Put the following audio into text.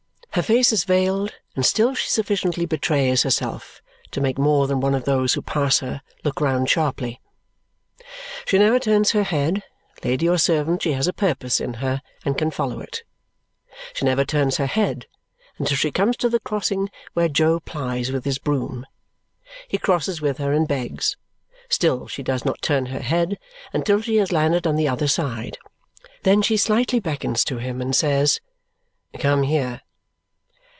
Her face is veiled, and still she sufficiently betrays herself to make more than one of those who pass her look round sharply. She never turns her head. Lady or servant, she has a purpose in her and can follow it. She never turns her head until she comes to the crossing where Jo plies with his broom. He crosses with her and begs. Still, she does not turn her head until she has landed on the other side. Then she slightly beckons to him and says, "Come here!"